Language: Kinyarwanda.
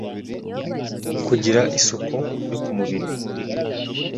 Kugira isuko yo ku mubiri